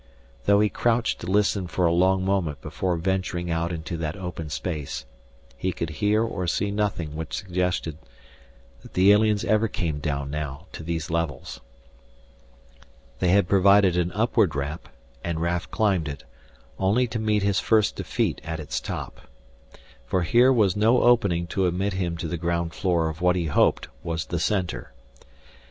Though he crouched to listen for a long moment before venturing out into that open space, he could hear or see nothing which suggested that the aliens ever came down now to these levels. They had provided an upward ramp, and Raf climbed it, only to meet his first defeat at its top. For here was no opening to admit him to the ground floor of what he hoped was the Center.